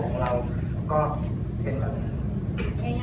ของเราก็เป็นแบบ